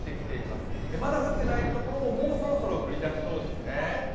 まだ降っていないところももうそろそろ降りだしそうですね。